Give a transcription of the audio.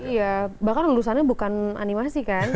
iya bahkan lulusannya bukan animasi kan